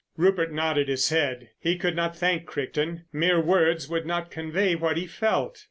Rupert nodded his head. He could not thank Crichton. Mere words would not convey what he felt.